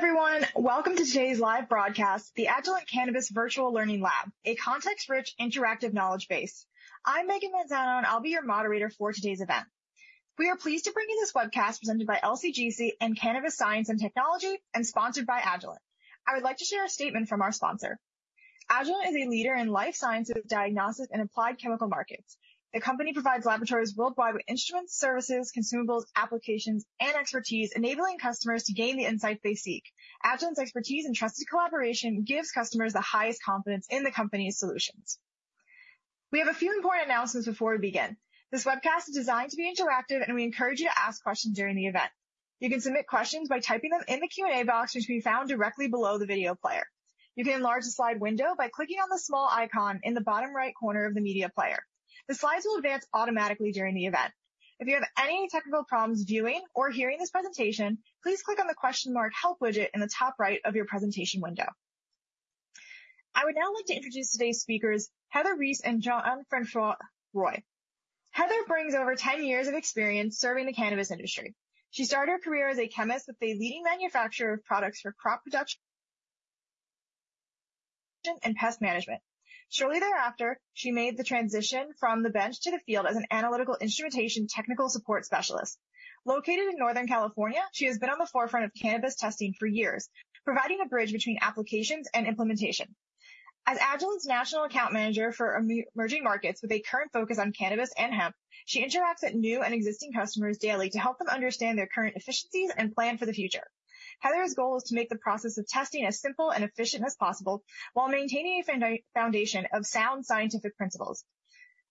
Hello, everyone. Welcome to today's live broadcast, the Agilent Cannabis Virtual Learning Lab, a context-rich interactive knowledge base. I'm Megan Mazzone, and I'll be your moderator for today's event. We are pleased to bring you this webcast presented by LCGC and Cannabis Science and Technology, and sponsored by Agilent. I would like to share a statement from our sponsor. Agilent is a leader in life sciences, diagnostics, and applied chemical markets. The company provides laboratories worldwide with instruments, services, consumables, applications, and expertise, enabling customers to gain the insights they seek. Agilent's expertise and trusted collaboration gives customers the highest confidence in the company's solutions. We have a few important announcements before we begin. This webcast is designed to be interactive, and we encourage you to ask questions during the event. You can submit questions by typing them in the Q&A box, which can be found directly below the video player. You can enlarge the slide window by clicking on the small icon in the bottom right corner of the media player. The slides will advance automatically during the event. If you have any technical problems viewing or hearing this presentation, please click on the question mark help widget in the top right of your presentation window. I would now like to introduce today's speakers, Heather Reese and Jean-Francois Roy. Heather brings over 10 years of experience serving the cannabis industry. She started her career as a chemist with a leading manufacturer of products for crop production and pest management. Shortly thereafter, she made the transition from the bench to the field as an analytical instrumentation technical support specialist. Located in Northern California, she has been on the forefront of cannabis testing for years, providing a bridge between applications and implementation. As Agilent's national account manager for emerging markets with a current focus on cannabis and hemp, she interacts with new and existing customers daily to help them understand their current efficiencies and plan for the future. Heather's goal is to make the process of testing as simple and efficient as possible while maintaining a foundation of sound scientific principles.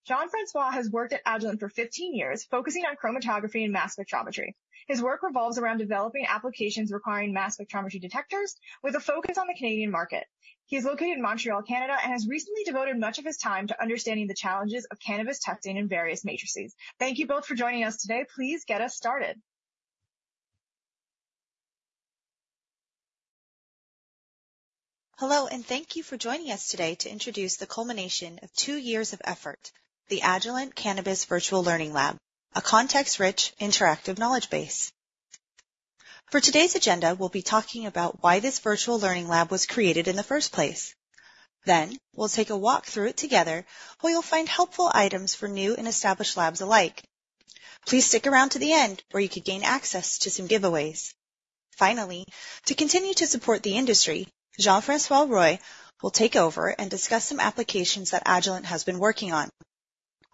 Jean-Francois has worked at Agilent for 15 years, focusing on chromatography and mass spectrometry. His work revolves around developing applications requiring mass spectrometry detectors with a focus on the Canadian market. He's located in Montreal, Canada, and has recently devoted much of his time to understanding the challenges of cannabis testing in various matrices. Thank you both for joining us today. Please get us started. Hello, and thank you for joining us today to introduce the culmination of two years of effort, the Agilent Cannabis Virtual Learning Lab, a context-rich interactive knowledge base. For today's agenda, we'll be talking about why this virtual learning lab was created in the first place. We'll take a walk through it together, where you'll find helpful items for new and established labs alike. Please stick around to the end where you could gain access to some giveaways. Finally, to continue to support the industry, Jean-Francois Roy will take over and discuss some applications that Agilent has been working on.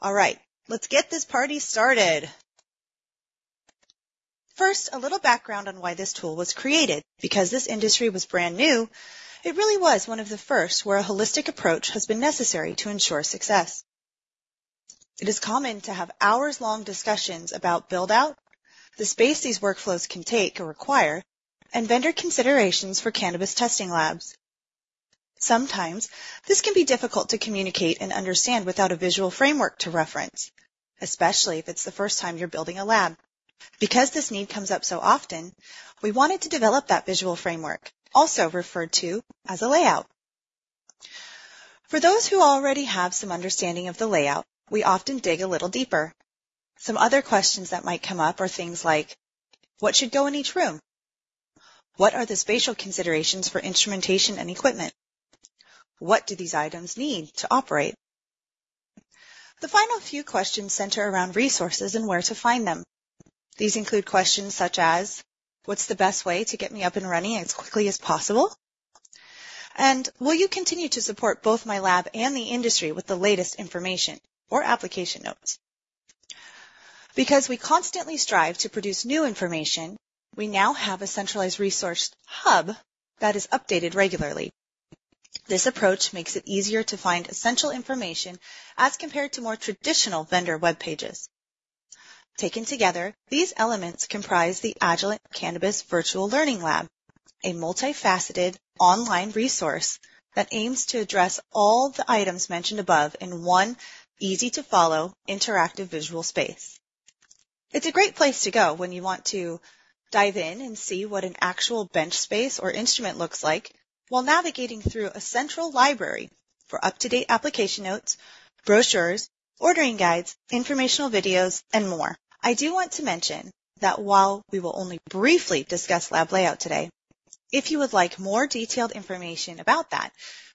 All right, let's get this party started. First, a little background on why this tool was created. Because this industry was brand new, it really was one of the first where a holistic approach has been necessary to ensure success. It is common to have hours-long discussions about build-out, the space these workflows can take or require, and vendor considerations for cannabis testing labs. Sometimes this can be difficult to communicate and understand without a visual framework to reference, especially if it's the first time you're building a lab. Because this need comes up so often, we wanted to develop that visual framework, also referred to as a layout. For those who already have some understanding of the layout, we often dig a little deeper. Some other questions that might come up are things like, "What should go in each room?" "What are the spatial considerations for instrumentation and equipment?" "What do these items need to operate?" The final few questions center around resources and where to find them. These include questions such as, "What's the best way to get me up and running as quickly as possible?" and, "Will you continue to support both my lab and the industry with the latest information or application notes?" Because we constantly strive to produce new information, we now have a centralized resource hub that is updated regularly. This approach makes it easier to find essential information as compared to more traditional vendor web pages. Taken together, these elements comprise the Agilent Cannabis Virtual Learning Lab, a multifaceted online resource that aims to address all the items mentioned above in one easy-to-follow interactive visual space. It's a great place to go when you want to dive in and see what an actual bench space or instrument looks like while navigating through a central library for up-to-date application notes, brochures, ordering guides, informational videos, and more. I do want to mention that while we will only briefly discuss lab layout today, if you would like more detailed information about that,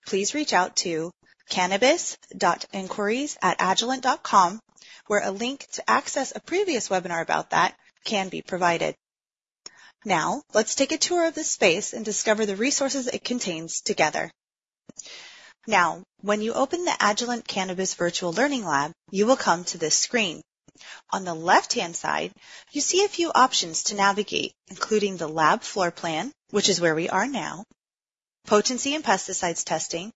please reach out to cannabis.inquiries@agilent.com, where a link to access a previous webinar about that can be provided. Now, let's take a tour of this space and discover the resources it contains together. Now, when you open the Agilent Cannabis Virtual Learning Lab, you will come to this screen. On the left-hand side, you see a few options to navigate, including the lab floor plan, which is where we are now, potency and pesticides testing,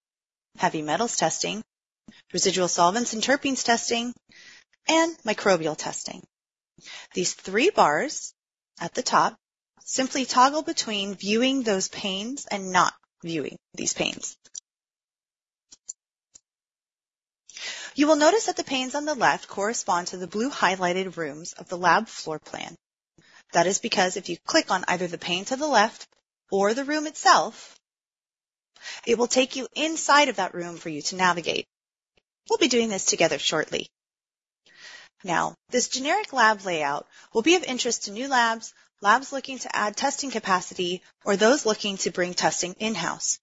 heavy metals testing, residual solvents and terpenes testing, and microbial testing. These three bars at the top simply toggle between viewing those panes and not viewing these panes. You will notice that the panes on the left correspond to the blue highlighted rooms of the lab floor plan. That is because if you click on either the pane to the left or the room itself, it will take you inside of that room for you to navigate. We'll be doing this together shortly. Now, this generic lab layout will be of interest to new labs looking to add testing capacity, or those looking to bring testing in-house.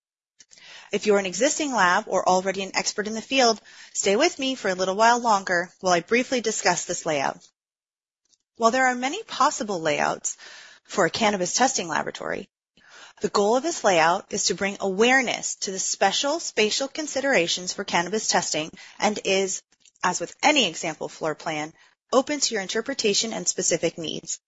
If you're an existing lab or already an expert in the field, stay with me for a little while longer while I briefly discuss this layout. While there are many possible layouts for a cannabis testing laboratory, the goal of this layout is to bring awareness to the special spatial considerations for cannabis testing and is, as with any example floor plan, open to your interpretation and specific needs.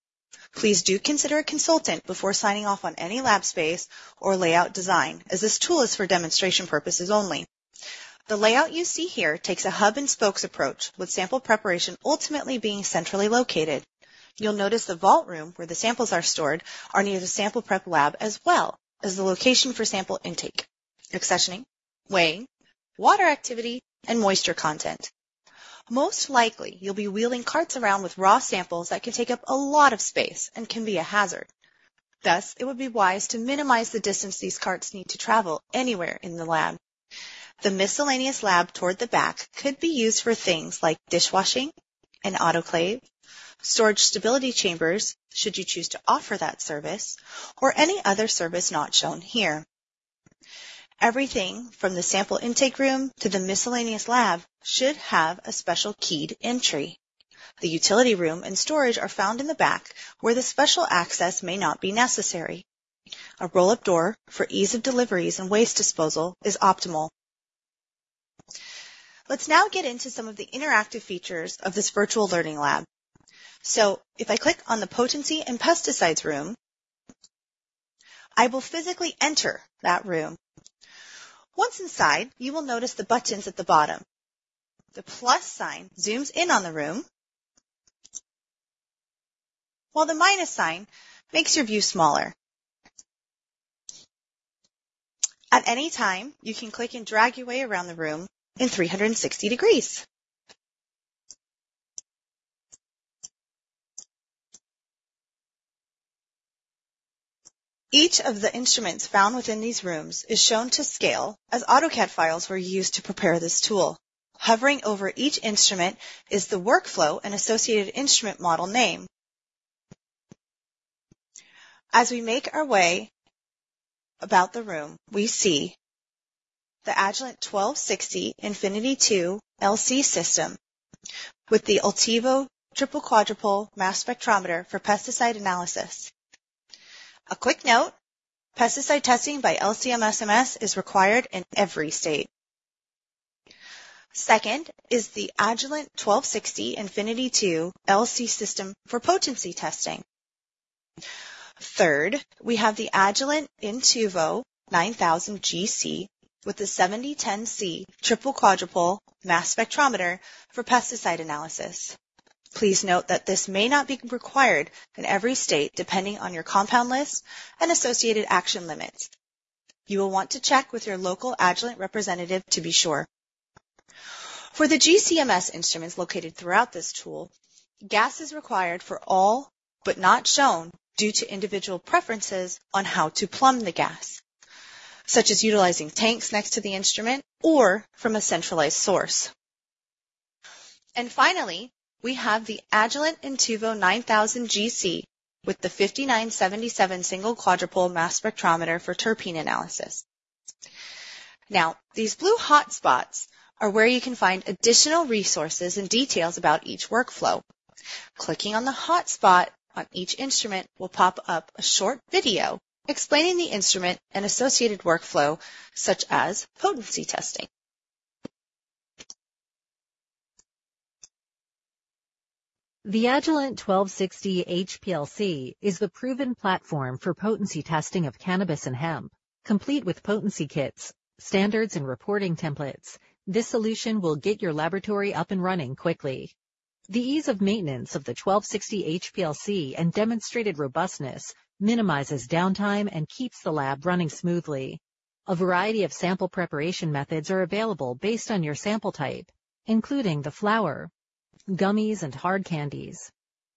Please do consider a consultant before signing off on any lab space or layout design, as this tool is for demonstration purposes only. The layout you see here takes a hub-and-spokes approach, with sample preparation ultimately being centrally located. You'll notice the vault room, where the samples are stored, are near the sample prep lab, as well as the location for sample intake, accessioning, weighing, water activity, and moisture content. Most likely, you'll be wheeling carts around with raw samples that can take up a lot of space and can be a hazard. Thus, it would be wise to minimize the distance these carts need to travel anywhere in the lab. The miscellaneous lab toward the back could be used for things like dishwashing and autoclave, storage stability chambers, should you choose to offer that service, or any other service not shown here. Everything from the sample intake room to the miscellaneous lab should have a special keyed entry. The utility room and storage are found in the back, where the special access may not be necessary. A roll-up door for ease of deliveries and waste disposal is optimal. Let's now get into some of the interactive features of this Virtual Learning Lab. If I click on the Potency and Pesticides room, I will physically enter that room. Once inside, you will notice the buttons at the bottom. The plus sign zooms in on the room, while the minus sign makes your view smaller. At any time, you can click and drag your way around the room in 360 degrees. Each of the instruments found within these rooms is shown to scale, as AutoCAD files were used to prepare this tool. Hovering over each instrument is the workflow and associated instrument model name. As we make our way about the room, we see the Agilent 1260 Infinity II LC system with the Ultivo triple quadrupole mass spectrometer for pesticide analysis. A quick note, pesticide testing by LC-MS-MS is required in every state. Second is the Agilent 1260 Infinity II LC system for potency testing. Third, we have the Agilent Intuvo 9000 GC with a 7010C triple quadrupole mass spectrometer for pesticide analysis. Please note that this may not be required in every state, depending on your compound list and associated action limits. You will want to check with your local Agilent representative to be sure. For the GC-MS instruments located throughout this tool, gas is required for all but not shown due to individual preferences on how to plumb the gas, such as utilizing tanks next to the instrument or from a centralized source. Finally, we have the Agilent Intuvo 9000 GC with the 5977 single quadrupole mass spectrometer for terpene analysis. These blue hotspots are where you can find additional resources and details about each workflow. Clicking on the hotspot on each instrument will pop up a short video explaining the instrument and associated workflow, such as potency testing. The Agilent 1260 HPLC is the proven platform for potency testing of cannabis and hemp. Complete with potency kits, standards, and reporting templates, this solution will get your laboratory up and running quickly. The ease of maintenance of the 1260 HPLC and demonstrated robustness minimizes downtime and keeps the lab running smoothly. A variety of sample preparation methods are available based on your sample type, including the flower, gummies and hard candies,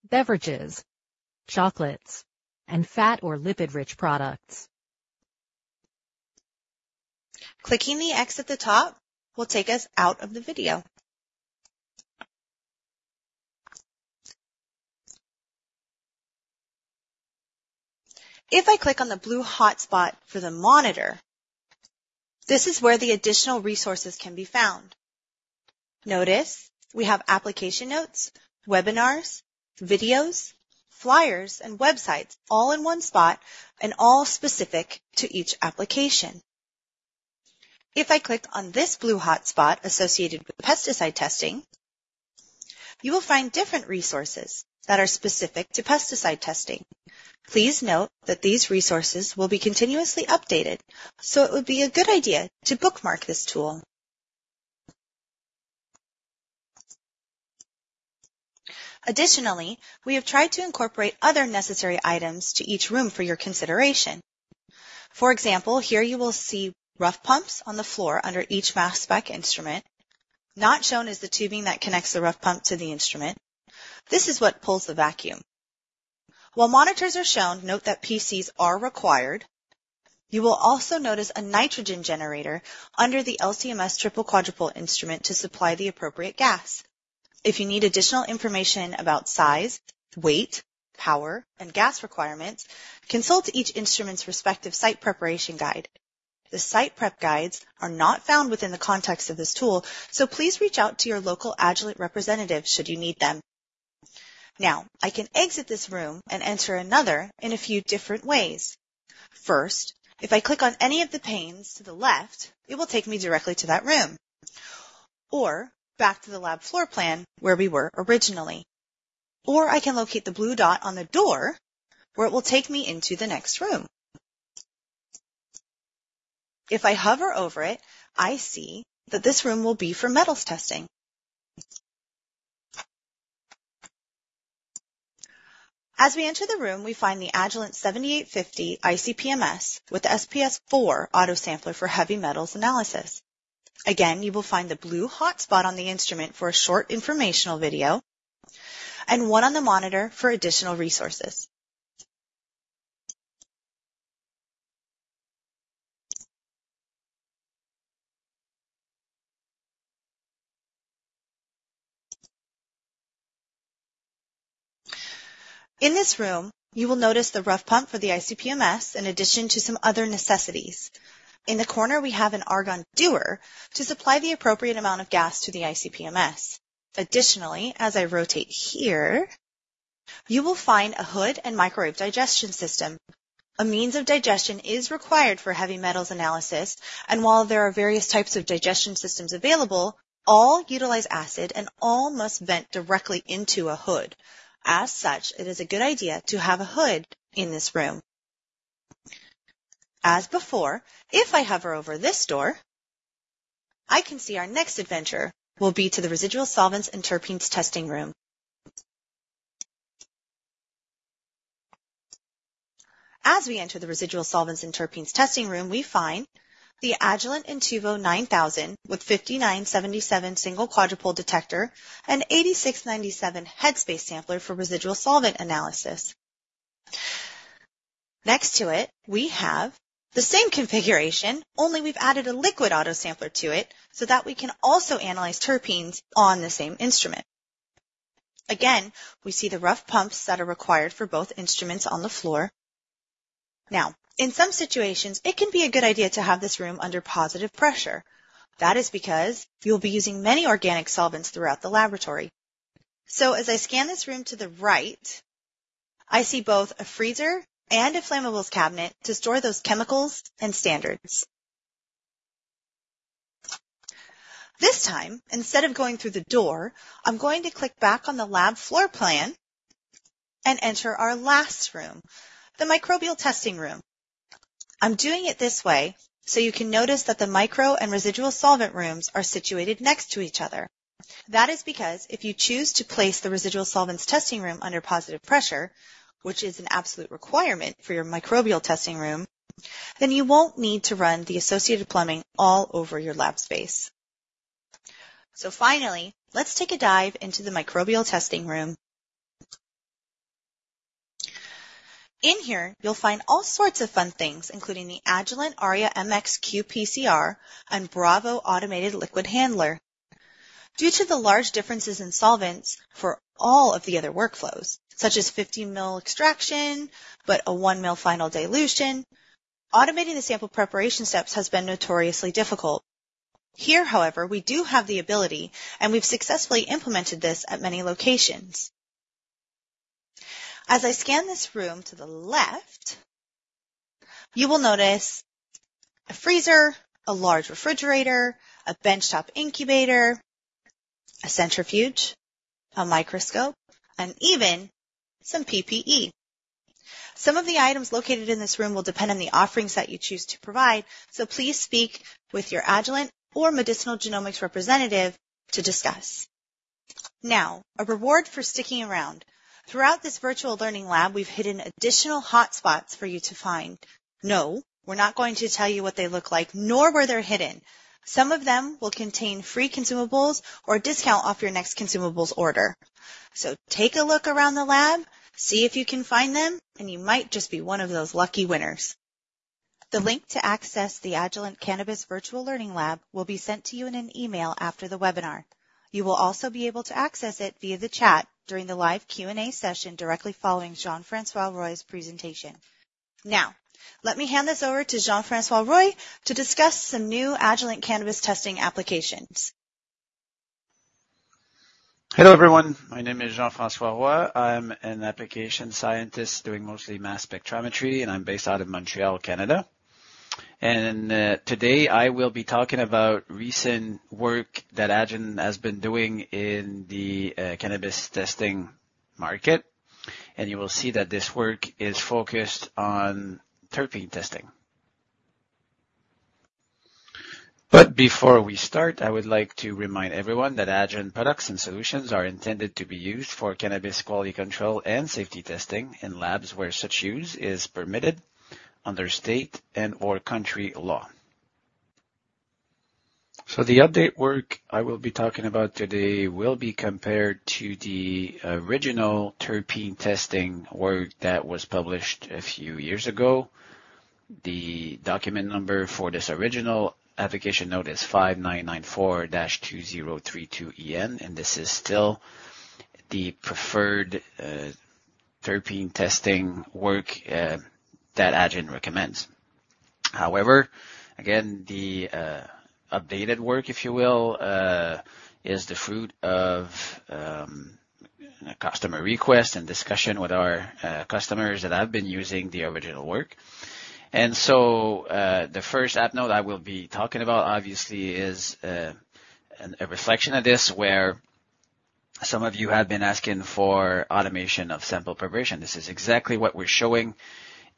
beverages, chocolates, and fat or lipid-rich products. Clicking the X at the top will take us out of the video. If I click on the blue hotspot for the monitor, this is where the additional resources can be found. Notice we have application notes, webinars, videos, flyers, and websites all in one spot and all specific to each application. If I click on this blue hotspot associated with pesticide testing, you will find different resources that are specific to pesticide testing. Please note that these resources will be continuously updated, so it would be a good idea to bookmark this tool. Additionally, we have tried to incorporate other necessary items to each room for your consideration. For example, here you will see rough pumps on the floor under each mass spec instrument. Not shown is the tubing that connects the rough pump to the instrument. This is what pulls the vacuum. While monitors are shown, note that PCs are required. You will also notice a nitrogen generator under the LC-MS triple quadrupole instrument to supply the appropriate gas. If you need additional information about size, weight, power, and gas requirements, consult each instrument's respective site preparation guide. The site prep guides are not found within the context of this tool, so please reach out to your local Agilent representative should you need them. I can exit this room and enter another in a few different ways. If I click on any of the panes to the left, it will take me directly to that room or back to the lab floor plan where we were originally. I can locate the blue dot on the door, where it will take me into the next room. If I hover over it, I see that this room will be for metals testing. We enter the room, we find the Agilent 7850 ICP-MS with the SPS 4 autosampler for heavy metals analysis. You will find the blue hotspot on the instrument for a short informational video and one on the monitor for additional resources. In this room, you will notice the rough pump for the ICP-MS in addition to some other necessities. In the corner, we have an argon dewar to supply the appropriate amount of gas to the ICP-MS. As I rotate here, you will find a hood and microwave digestion system. A means of digestion is required for heavy metals analysis, while there are various types of digestion systems available, all utilize acid and all must vent directly into a hood. As such, it is a good idea to have a hood in this room. As before, if I hover over this door, I can see our next adventure will be to the residual solvents and terpenes testing room. As we enter the residual solvents and terpenes testing room, we find the Agilent Intuvo 9000 with 5977 single quadrupole detector and 8697 headspace sampler for residual solvent analysis. Next to it, we have the same configuration, only we've added a liquid autosampler to it so that we can also analyze terpenes on the same instrument. Again, we see the rough pumps that are required for both instruments on the floor. In some situations, it can be a good idea to have this room under positive pressure. That is because you'll be using many organic solvents throughout the laboratory. As I scan this room to the right, I see both a freezer and a flammables cabinet to store those chemicals and standards. This time, instead of going through the door, I'm going to click back on the lab floor plan and enter our last room, the microbial testing room. I'm doing it this way, so you can notice that the micro and residual solvent rooms are situated next to each other. That is because if you choose to place the residual solvents testing room under positive pressure, which is an absolute requirement for your microbial testing room, then you won't need to run the associated plumbing all over your lab space. Finally, let's take a dive into the microbial testing room. In here, you'll find all sorts of fun things, including the Agilent AriaMx QPCR and Bravo automated liquid handler. Due to the large differences in solvents for all of the other workflows, such as 15-mil extraction, but a one-mil final dilution, automating the sample preparation steps has been notoriously difficult. Here, however, we do have the ability, and we've successfully implemented this at many locations. As I scan this room to the left, you will notice a freezer, a large refrigerator, a benchtop incubator, a centrifuge, a microscope, and even some PPE. Some of the items located in this room will depend on the offerings that you choose to provide, so please speak with your Agilent or Medicinal Genomics representative to discuss. A reward for sticking around. Throughout this virtual learning lab, we've hidden additional hotspots for you to find. No, we're not going to tell you what they look like, nor where they're hidden. Some of them will contain free consumables or a discount off your next consumables order. Take a look around the lab, see if you can find them, and you might just be one of those lucky winners. The link to access the Agilent Cannabis Virtual Learning Lab will be sent to you in an email after the webinar. You will also be able to access it via the chat during the live Q&A session directly following Jean-Francois Roy's presentation. Let me hand this over to Jean-Francois Roy to discuss some new Agilent cannabis testing applications. Hello, everyone. My name is Jean-Francois Roy. I'm an application scientist doing mostly mass spectrometry, and I'm based out of Montreal, Canada. Today, I will be talking about recent work that Agilent has been doing in the cannabis testing market, and you will see that this work is focused on terpene testing. Before we start, I would like to remind everyone that Agilent products and solutions are intended to be used for cannabis quality control and safety testing in labs where such use is permitted under state and/or country law. The update work I will be talking about today will be compared to the original terpene testing work that was published a few years ago. The document number for this original application note is 5994-2032EN, and this is still the preferred terpene testing work that Agilent recommends. However, again, the updated work, if you will, is the fruit of a customer request and discussion with our customers that have been using the original work. The first app note I will be talking about, obviously, is a reflection of this, where some of you have been asking for automation of sample preparation. This is exactly what we're showing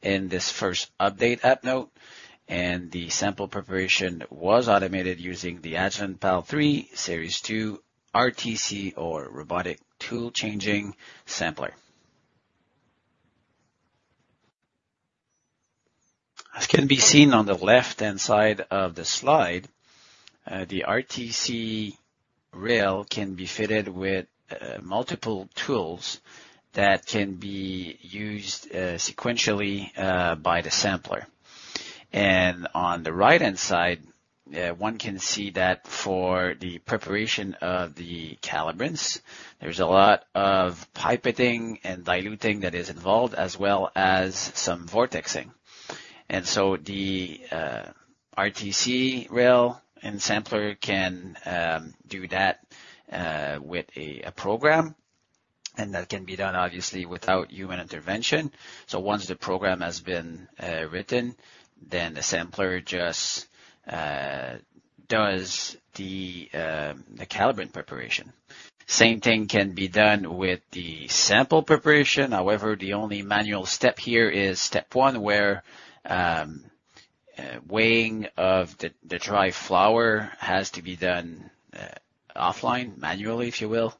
in this first update app note, and the sample preparation was automated using the Agilent PAL3 Series II RTC or Robotic Tool Changing sampler. As can be seen on the left-hand side of the slide, the RTC rail can be fitted with multiple tools that can be used sequentially by the sampler. On the right-hand side, one can see that for the preparation of the calibrants, there's a lot of pipetting and diluting that is involved, as well as some vortexing. The RTC rail and sampler can do that with a program, and that can be done, obviously, without human intervention. Once the program has been written, the sampler just does the calibrant preparation. Same thing can be done with the sample preparation. However, the only manual step here is step 1, where weighing of the dry flower has to be done offline manually, if you will,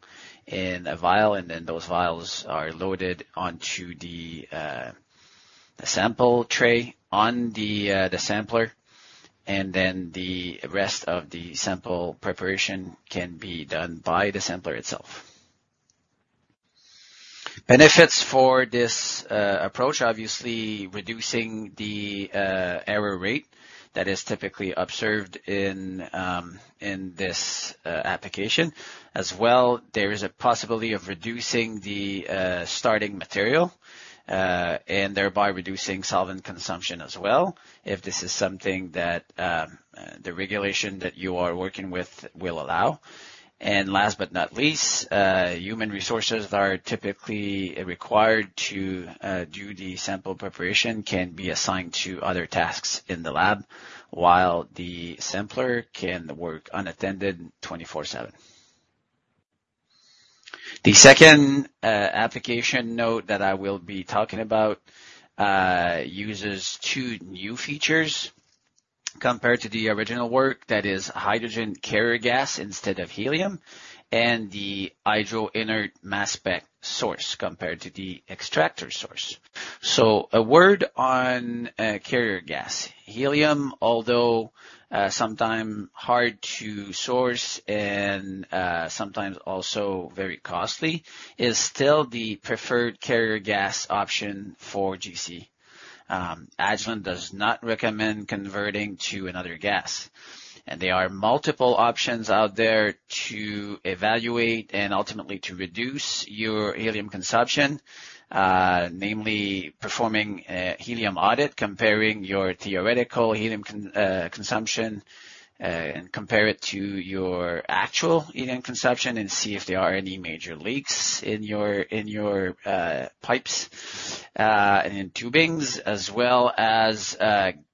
in a vial, and then those vials are loaded onto the sample tray on the sampler, and then the rest of the sample preparation can be done by the sampler itself. Benefits for this approach, obviously, reducing the error rate that is typically observed in this application. As well, there is a possibility of reducing the starting material, and thereby reducing solvent consumption as well, if this is something that the regulation that you are working with will allow. Last but not least, human resources that are typically required to do the sample preparation can be assigned to other tasks in the lab while the sampler can work unattended 24/7. The second application note that I will be talking about uses 2 new features compared to the original work that is hydrogen carrier gas instead of helium, and the HydroInert mass spec source compared to the Extractor Source. A word on carrier gas. Helium, although sometime hard to source and sometimes also very costly, is still the preferred carrier gas option for GC. Agilent does not recommend converting to another gas. There are multiple options out there to evaluate and ultimately to reduce your helium consumption, namely performing a helium audit, comparing your theoretical helium consumption, and compare it to your actual helium consumption and see if there are any major leaks in your pipes and tubings, as well as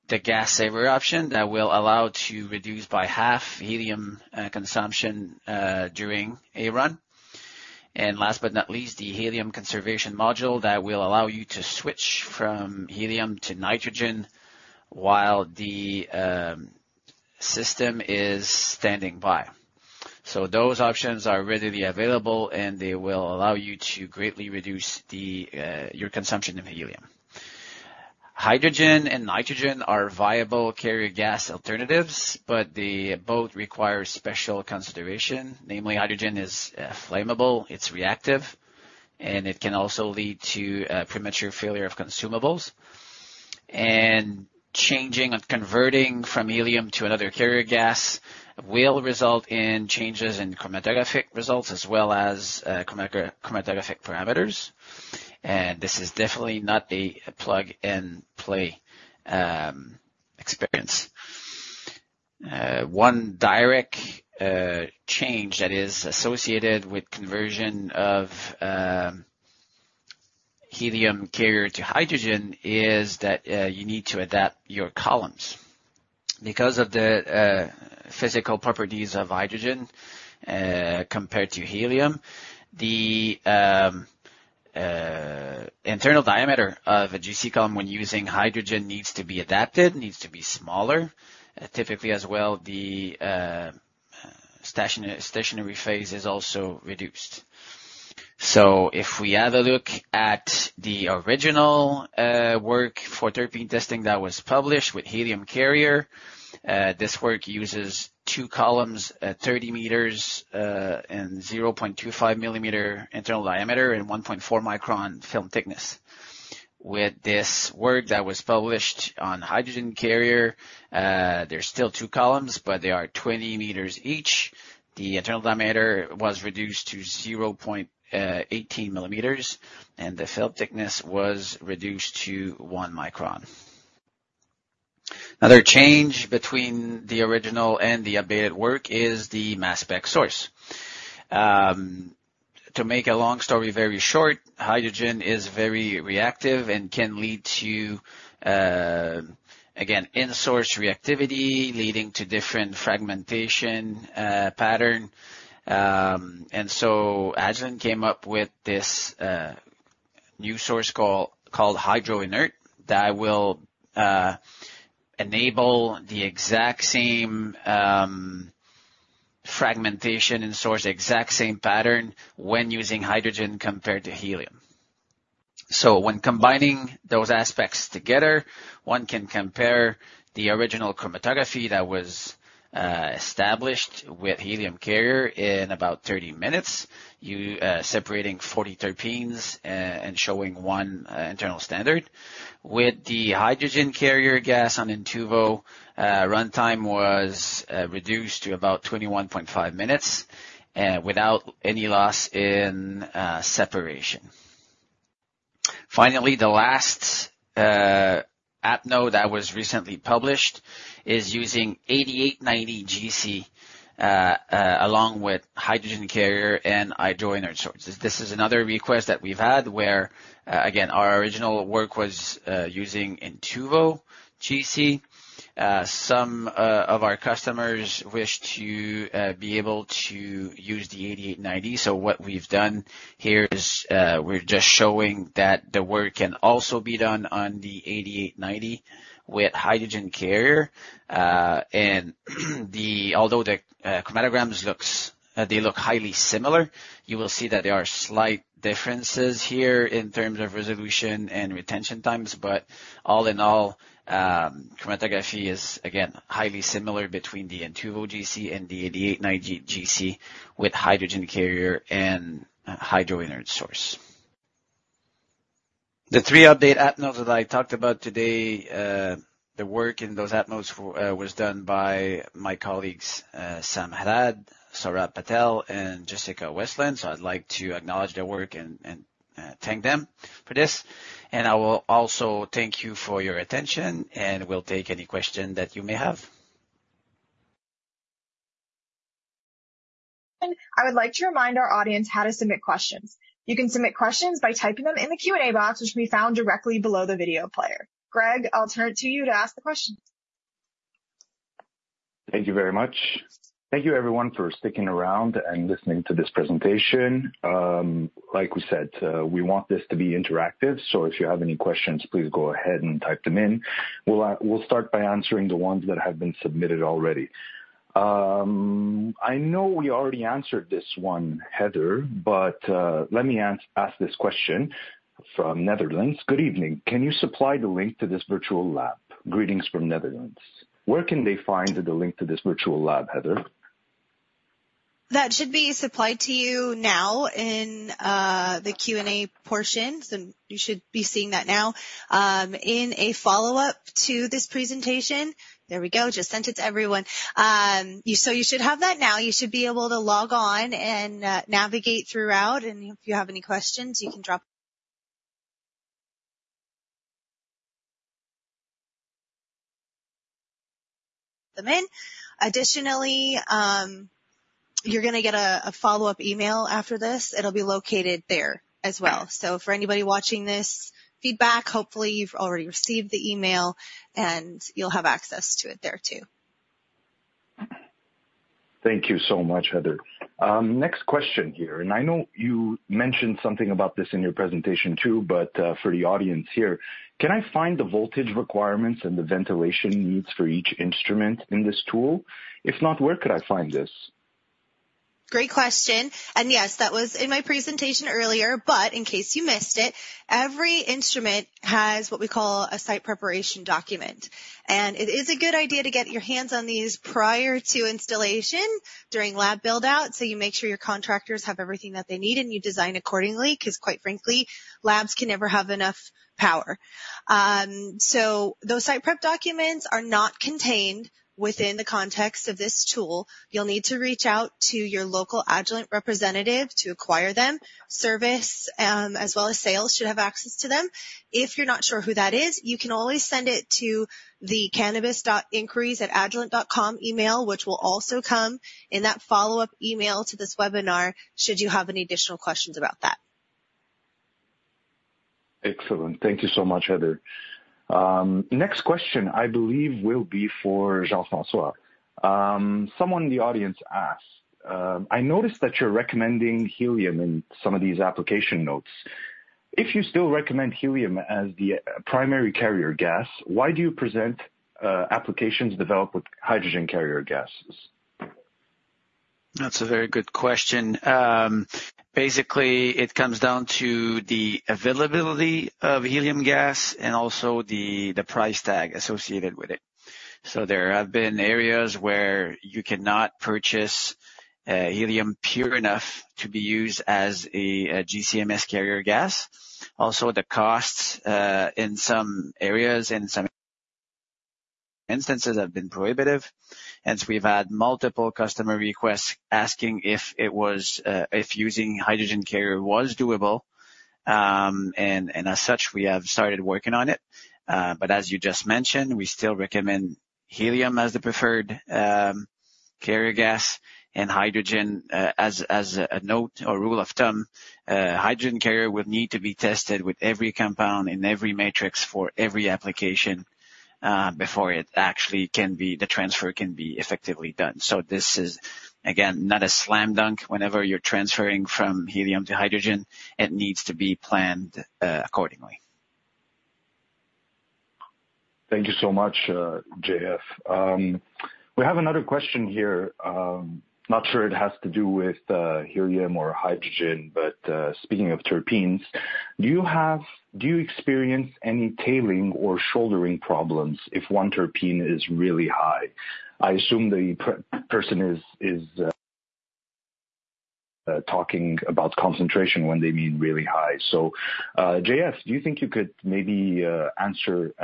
the gas saver option that will allow to reduce by half helium consumption during a run. Last but not least, the helium conservation module that will allow you to switch from helium to nitrogen while the system is standing by. Those options are readily available, and they will allow you to greatly reduce your consumption of helium. Hydrogen and nitrogen are viable carrier gas alternatives, but they both require special consideration. Namely, hydrogen is flammable, it's reactive, and it can also lead to premature failure of consumables. Changing and converting from helium to another carrier gas will result in changes in chromatographic results as well as chromatographic parameters. This is definitely not a plug-and-play experience. One direct change that is associated with conversion of helium carrier to hydrogen is that you need to adapt your columns. Because of the physical properties of hydrogen, compared to helium, the internal diameter of a GC column when using hydrogen needs to be adapted, needs to be smaller. Typically as well, the stationary phase is also reduced. If we have a look at the original work for terpene testing that was published with helium carrier, this work uses two columns at 30 meters and 0.25 millimeter internal diameter and 1.4 micron film thickness. With this work that was published on hydrogen carrier, there's still two columns, but they are 20 meters each. The internal diameter was reduced to 0.18 millimeters, and the film thickness was reduced to one micron. Another change between the original and the updated work is the mass spec source. To make a long story very short, hydrogen is very reactive and can lead to, again, in-source reactivity, leading to different fragmentation pattern. Agilent came up with this new source called HydroInert that will enable the exact same fragmentation and source, the exact same pattern when using hydrogen compared to helium. When combining those aspects together, one can compare the original chromatography that was established with helium carrier in about 30 minutes, separating 40 terpenes, and showing one internal standard. With the hydrogen carrier gas on Intuvo, runtime was reduced to about 21.5 minutes without any loss in separation. Finally, the last App Note that was recently published is using 8890 GC along with hydrogen carrier and HydroInert sources. This is another request that we've had where, again, our original work was using Intuvo GC. Some of our customers wish to be able to use the 8890. What we've done here is, we're just showing that the work can also be done on the 8890 with hydrogen carrier. Although the chromatograms look highly similar, you will see that there are slight differences here in terms of resolution and retention times. All in all, chromatography is, again, highly similar between the Intuvo GC and the 8890 GC with hydrogen carrier and HydroInert source. The three update App Notes that I talked about today, the work in those App Notes was done by my colleagues, Sam Harad, Saurabh Patel, and Jessica Westland. I'd like to acknowledge their work and thank them for this. I will also thank you for your attention, and we'll take any question that you may have. I would like to remind our audience how to submit questions. You can submit questions by typing them in the Q&A box, which can be found directly below the video player. Greg, I'll turn it to you to ask the questions. Thank you very much. Thank you everyone for sticking around and listening to this presentation. Like we said, we want this to be interactive, if you have any questions, please go ahead and type them in. We'll start by answering the ones that have been submitted already. I know we already answered this one, Heather, but let me ask this question from Netherlands. "Good evening. Can you supply the link to this virtual lab? Greetings from Netherlands." Where can they find the link to this virtual lab, Heather? That should be supplied to you now in the Q&A portion. You should be seeing that now. There we go, just sent it to everyone. You should have that now. You should be able to log on and navigate throughout, and if you have any questions, you can drop them in. Additionally, you're going to get a follow-up email after this. It'll be located there as well. For anybody watching this feedback, hopefully you've already received the email, and you'll have access to it there, too. Thank you so much, Heather. Next question here, I know you mentioned something about this in your presentation, too, for the audience here, "Can I find the voltage requirements and the ventilation needs for each instrument in this tool? If not, where could I find this? Great question. Yes, that was in my presentation earlier. In case you missed it, every instrument has what we call a site preparation document. It is a good idea to get your hands on these prior to installation during lab build-out so you make sure your contractors have everything that they need, and you design accordingly. Quite frankly, labs can never have enough power. Those site prep documents are not contained within the context of this tool. You'll need to reach out to your local Agilent representative to acquire them. Service, as well as sales, should have access to them. If you're not sure who that is, you can always send it to the cannabis.inquiries@agilent.com email, which will also come in that follow-up email to this webinar, should you have any additional questions about that. Excellent. Thank you so much, Heather. Next question, I believe, will be for Jean-François. Someone in the audience asked, "I noticed that you're recommending helium in some of these application notes. If you still recommend helium as the primary carrier gas, why do you present applications developed with hydrogen carrier gases? That's a very good question. Basically, it comes down to the availability of helium gas and also the price tag associated with it. There have been areas where you cannot purchase helium pure enough to be used as a GC-MS carrier gas. Also, the costs in some areas, in some instances, have been prohibitive. We've had multiple customer requests asking if using hydrogen carrier was doable. As such, we have started working on it. As you just mentioned, we still recommend helium as the preferred carrier gas and as a note or rule of thumb, hydrogen carrier would need to be tested with every compound in every matrix for every application before the transfer can be effectively done. This is, again, not a slam dunk. Whenever you're transferring from helium to hydrogen, it needs to be planned accordingly. Thank you so much, JF. We have another question here. Not sure it has to do with helium or hydrogen, but speaking of terpenes, do you experience any tailing or shouldering problems if one terpene is really high? I assume the person is talking about concentration when they mean really high. JF, do you think you could maybe answer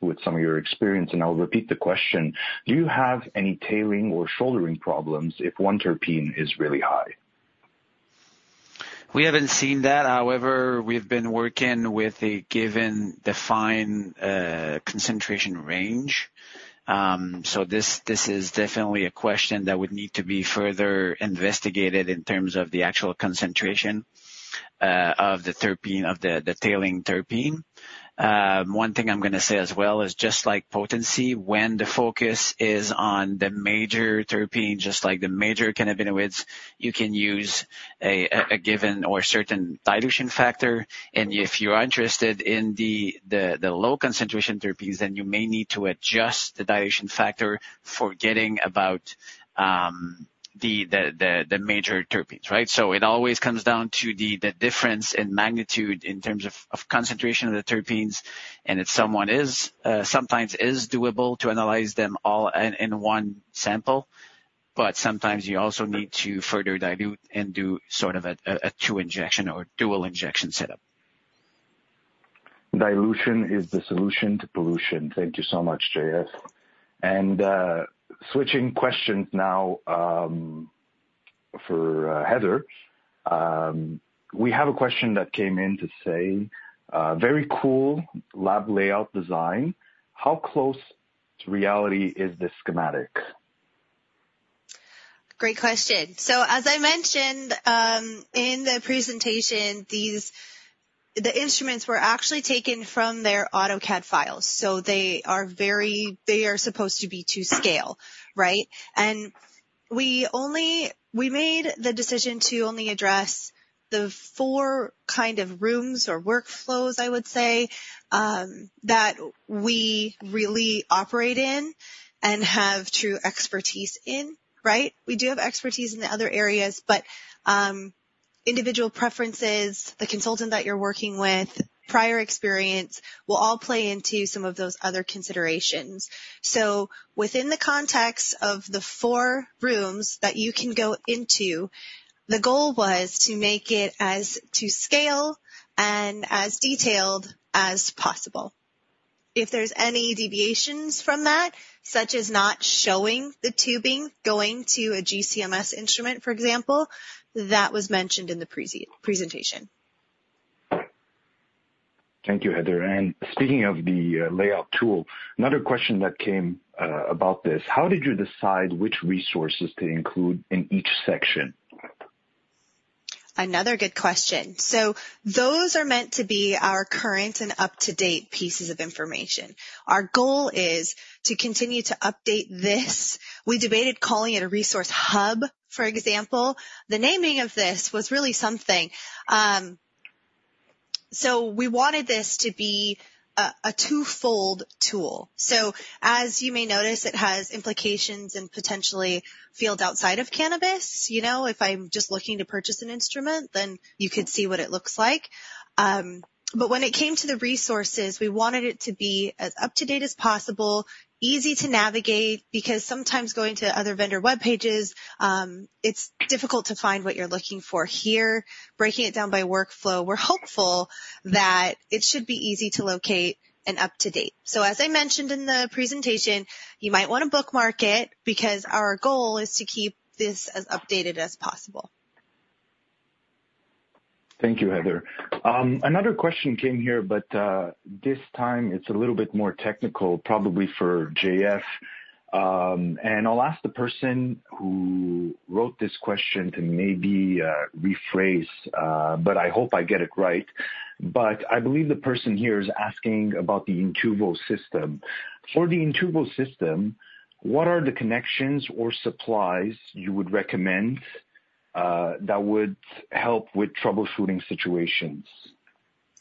with some of your experience, and I'll repeat the question. Do you have any tailing or shouldering problems if one terpene is really high? We haven't seen that. However, we've been working with a given defined concentration range. This is definitely a question that would need to be further investigated in terms of the actual concentration of the tailing terpene. One thing I'm going to say as well is just like potency, when the focus is on the major terpene, just like the major cannabinoids, you can use a given or certain dilution factor. If you're interested in the low concentration terpenes, then you may need to adjust the dilution factor, forgetting about the major terpenes, right? It always comes down to the difference in magnitude in terms of concentration of the terpenes. It sometimes is doable to analyze them all in one sample. Sometimes you also need to further dilute and do sort of a two injection or dual injection setup. Dilution is the solution to pollution. Thank you so much, JF. Switching questions now for Heather. We have a question that came in to say, "Very cool lab layout design. How close to reality is this schematic? Great question. As I mentioned in the presentation, the instruments were actually taken from their AutoCAD files. They are supposed to be to scale, right? We made the decision to only address the four kind of rooms or workflows, I would say, that we really operate in and have true expertise in, right? We do have expertise in the other areas, but individual preferences, the consultant that you're working with, prior experience, will all play into some of those other considerations. Within the context of the four rooms that you can go into, the goal was to make it as to scale and as detailed as possible. If there's any deviations from that, such as not showing the tubing going to a GC-MS instrument, for example, that was mentioned in the presentation. Thank you, Heather. Speaking of the layout tool, another question that came about this, how did you decide which resources to include in each section? Another good question. Those are meant to be our current and up-to-date pieces of information. Our goal is to continue to update this. We debated calling it a resource hub, for example. The naming of this was really something. We wanted this to be a twofold tool. As you may notice, it has implications in potentially fields outside of cannabis. If I'm just looking to purchase an instrument, you could see what it looks like. When it came to the resources, we wanted it to be as up-to-date as possible, easy to navigate, because sometimes going to other vendor web pages, it's difficult to find what you're looking for. Here, breaking it down by workflow, we're hopeful that it should be easy to locate and up to date. As I mentioned in the presentation, you might want to bookmark it because our goal is to keep this as updated as possible. Thank you, Heather. Another question came here, this time it's a little bit more technical, probably for JF. I'll ask the person who wrote this question to maybe rephrase, but I hope I get it right. I believe the person here is asking about the Intuvo system. For the Intuvo system, what are the connections or supplies you would recommend that would help with troubleshooting situations?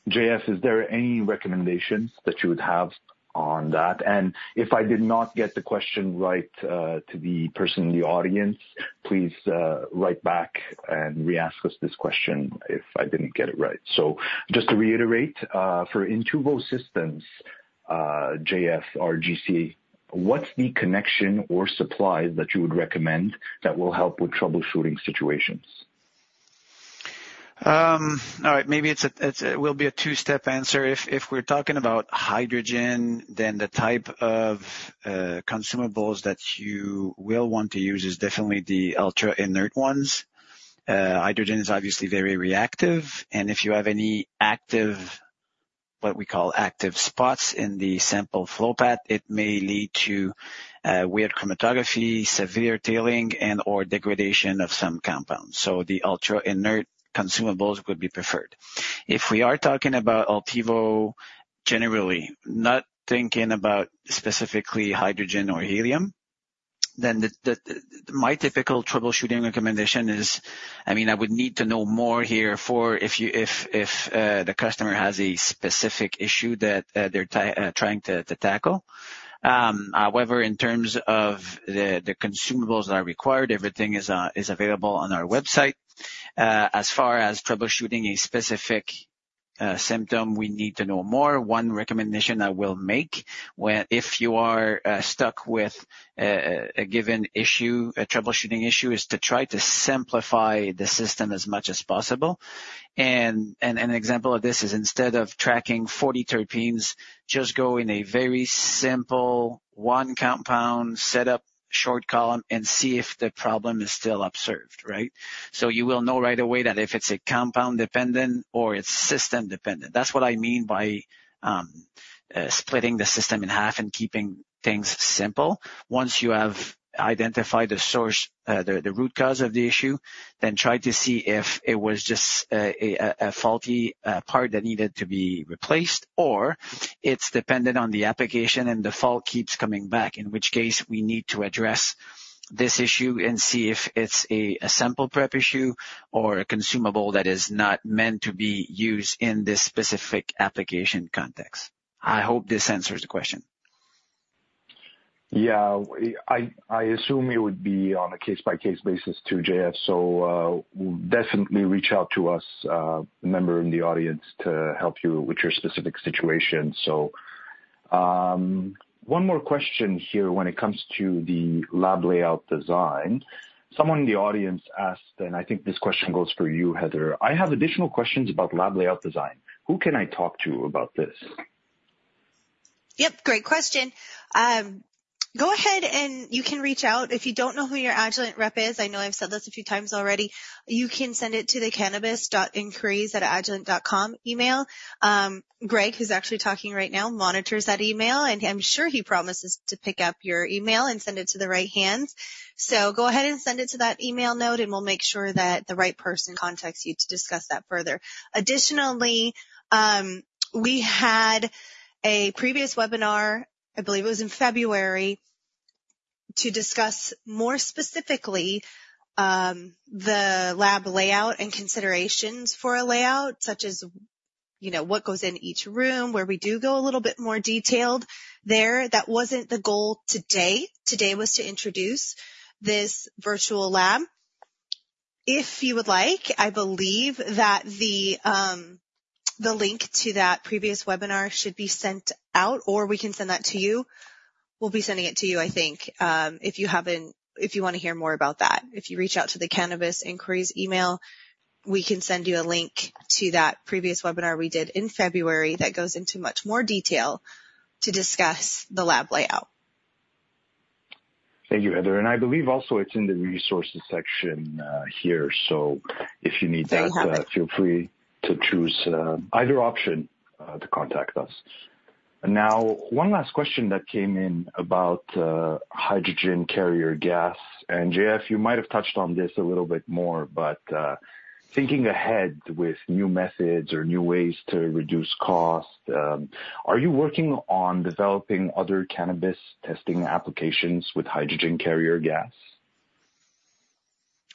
JF, is there any recommendations that you would have on that? If I did not get the question right to the person in the audience, please write back and re-ask us this question if I didn't get it right. Just to reiterate, for Intuvo systems, JF or GC, what's the connection or supply that you would recommend that will help with troubleshooting situations? All right. Maybe it will be a two-step answer. If we're talking about hydrogen, the type of consumables that you will want to use is definitely the Ultra Inert ones. Hydrogen is obviously very reactive, if you have any, what we call active spots in the sample flow path, it may lead to weird chromatography, severe tailing, and/or degradation of some compounds. The Ultra Inert consumables would be preferred. If we are talking about Intuvo generally, not thinking about specifically hydrogen or helium, my typical troubleshooting recommendation is, I would need to know more here if the customer has a specific issue that they're trying to tackle. However, in terms of the consumables that are required, everything is available on our website. As far as troubleshooting a specific symptom, we need to know more. One recommendation I will make, if you are stuck with a given troubleshooting issue, is to try to simplify the system as much as possible. An example of this is instead of tracking 40 terpenes, just go in a very simple one compound setup, short column, and see if the problem is still observed, right? You will know right away that if it's compound dependent or it's system dependent. That's what I mean by splitting the system in half and keeping things simple. Once you have identified the source, the root cause of the issue, try to see if it was just a faulty part that needed to be replaced, or it's dependent on the application and the fault keeps coming back, in which case we need to address this issue and see if it's a sample prep issue or a consumable that is not meant to be used in this specific application context. I hope this answers the question. Yeah. I assume it would be on a case-by-case basis too, JF. Definitely reach out to us, a member in the audience, to help you with your specific situation. One more question here when it comes to the lab layout design. Someone in the audience asked, I think this question goes for you, Heather, "I have additional questions about lab layout design. Who can I talk to about this? Yep, great question. Go ahead and you can reach out if you don't know who your Agilent rep is. I know I've said this a few times already. You can send it to the cannabis.inquiries@agilent.com email. Greg, who's actually talking right now, monitors that email. I'm sure he promises to pick up your email and send it to the right hands. Go ahead and send it to that email note and we'll make sure that the right person contacts you to discuss that further. Additionally, we had a previous webinar, I believe it was in February, to discuss more specifically the lab layout and considerations for a layout, such as what goes in each room, where we do go a little bit more detailed there. That wasn't the goal today. Today was to introduce this Virtual Lab. If you would like, I believe that the link to that previous webinar should be sent out, or we can send that to you. We'll be sending it to you, I think if you want to hear more about that. If you reach out to the cannabis.inquiries email, we can send you a link to that previous webinar we did in February that goes into much more detail to discuss the lab layout. Thank you, Heather. I believe also it's in the resources section here. If you need that. There you have it. Feel free to choose either option to contact us. One last question that came in about hydrogen carrier gas, and JF, you might have touched on this a little bit more, but thinking ahead with new methods or new ways to reduce cost, are you working on developing other cannabis testing applications with hydrogen carrier gas?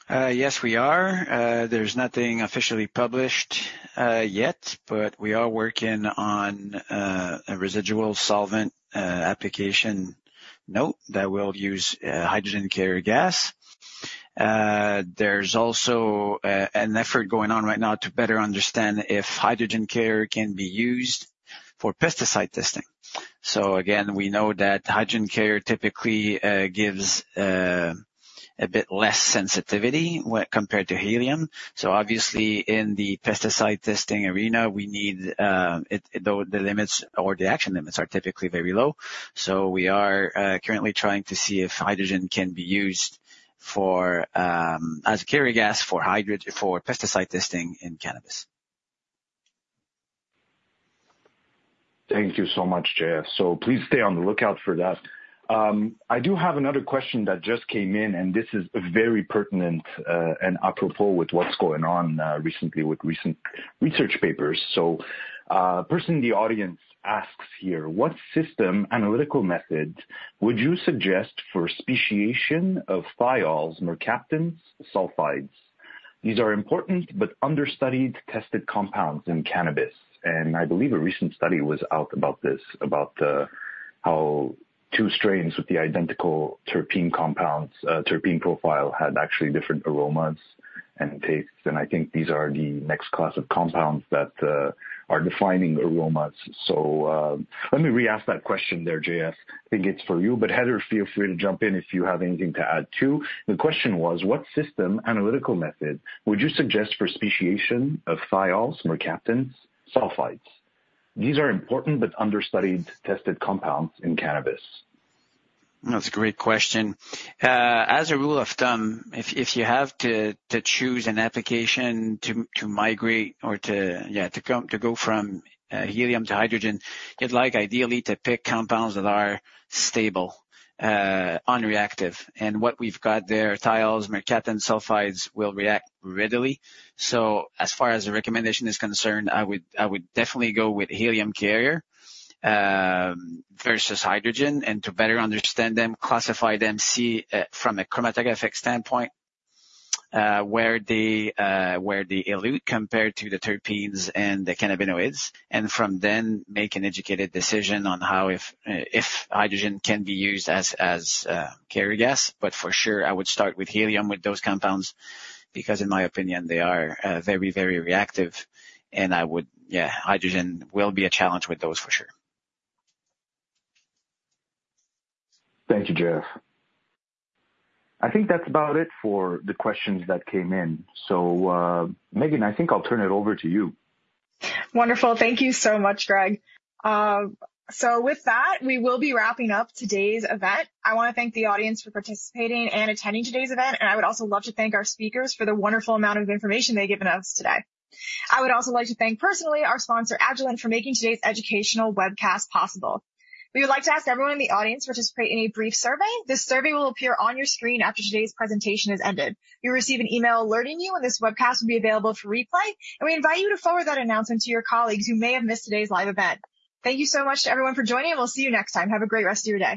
Yes, we are. There's nothing officially published yet, but we are working on a residual solvent application note that will use hydrogen carrier gas. There's also an effort going on right now to better understand if hydrogen carrier can be used for pesticide testing. Again, we know that hydrogen carrier typically gives a bit less sensitivity compared to helium. Obviously in the pesticide testing arena, the action limits are typically very low. We are currently trying to see if hydrogen can be used as a carrier gas for pesticide testing in cannabis. Thank you so much, JF. Please stay on the lookout for that. I do have another question that just came in. This is very pertinent and apropos with what's going on recently with recent research papers. A person in the audience asks here, "What system analytical method would you suggest for speciation of thiols, mercaptans, sulfides? These are important but understudied, tested compounds in cannabis." I believe a recent study was out about this, about how two strains with the identical terpene profile had actually different aromas and tastes. I think these are the next class of compounds that are defining aromas. Let me re-ask that question there, JF. I think it's for you, but Heather, feel free to jump in if you have anything to add, too. The question was, "What system analytical method would you suggest for speciation of thiols, mercaptans, sulfides? These are important but understudied, tested compounds in cannabis. That's a great question. As a rule of thumb, if you have to choose an application to migrate or to go from helium to hydrogen, you'd like ideally to pick compounds that are stable, unreactive. What we've got there, thiols, mercaptans, sulfides will react readily. As far as the recommendation is concerned, I would definitely go with helium carrier versus hydrogen, and to better understand them, classify them, see from a chromatographic standpoint where they elute compared to the terpenes and the cannabinoids. From then make an educated decision on how if hydrogen can be used as carrier gas. For sure, I would start with helium with those compounds, because in my opinion, they are very reactive, and hydrogen will be a challenge with those for sure. Thank you, JF. I think that's about it for the questions that came in. Megan, I think I'll turn it over to you. Wonderful. Thank you so much, Greg. With that, we will be wrapping up today's event. I want to thank the audience for participating and attending today's event, and I would also love to thank our speakers for the wonderful amount of information they've given us today. I would also like to thank personally our sponsor, Agilent, for making today's educational webcast possible. We would like to ask everyone in the audience to participate in a brief survey. This survey will appear on your screen after today's presentation has ended. You'll receive an email alerting you when this webcast will be available for replay, and we invite you to forward that announcement to your colleagues who may have missed today's live event. Thank you so much to everyone for joining, and we'll see you next time. Have a great rest of your day